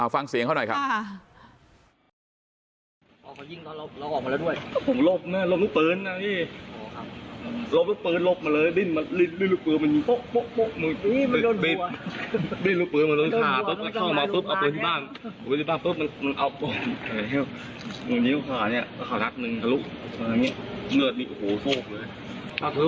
ฟังเสียงเขาหน่อยครับ